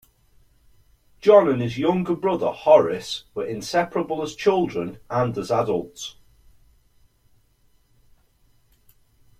John and his younger brother, Horace, were inseparable as children and as adults.